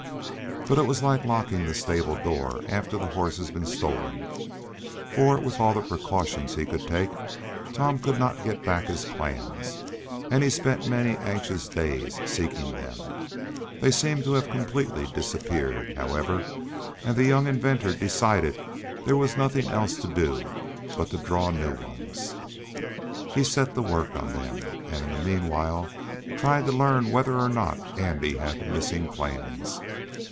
But it was like locking the stable door after the horse had been stolen, for with all the precautions he could take Tom could not get back his plans, and he spent many anxious days seeking them. They seemed to have completely disappeared, however, and the young inventor decided there was nothing else to do but to draw new ones. He set to work on them, and in the meanwhile tried to learn whether or not Andy had the missing plans.